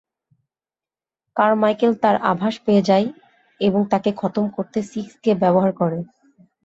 Carmichael তার আভাস পেয়ে যায় এবং তাকে খতম করতে সিক্সকে ব্যবহার করে।